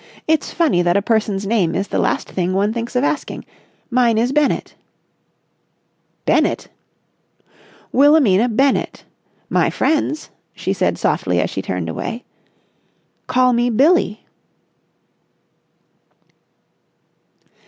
"It's funny that a person's name is the last thing one thinks of asking. Mine is Bennett." "Bennett!" "Wilhelmina Bennett. My friends," she said softly as she turned away, "call me Billie!"